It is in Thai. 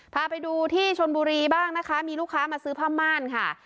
พาไปดูที่ชนบุรีบ้างนะคะมีลูกค้ามาซื้อผ้าม่านค่ะ